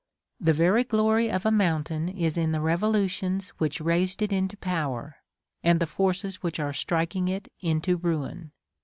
The very glory of a mountain is in the revolutions which raised it into power, and the forces which are striking it into ruin.